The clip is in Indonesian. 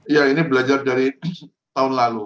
iya ini belajar dari tahun lalu